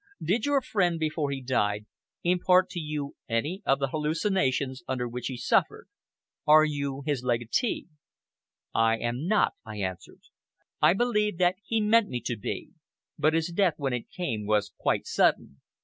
Did our friend, before he died, impart to you any of the hallucinations under which he suffered? Are you his legatee?" "I am not," I answered. "I believe that he meant me to be; but his death, when it came, was quite sudden.